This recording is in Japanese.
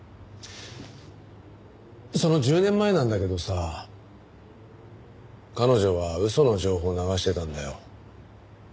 その１０年前なんだけどさ彼女は嘘の情報を流してたんだよ。